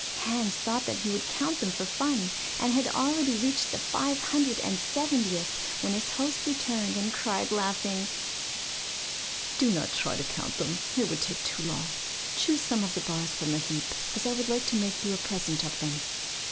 Hans thought he would count them for fun, and had already reached the five hundred and seventieth when his host returned and cried, laughing: 'Do not try to count them, it would take too long; choose some of the bars from the heap, as I should like to make you a present of them.